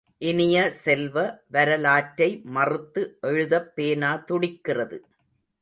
இனிய செல்வ, வரலாற்றை மறுத்து எழுதப் பேனா துடிக்கிறது.